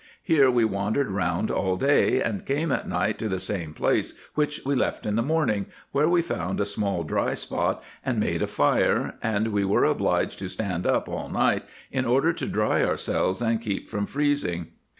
Here we wandered round all day, and came at night to the same place which we left in the morning, where we found a small dry spot [and] made a fire; and we were obliged to stand up all night in order to dry ourselves and keep from freezing."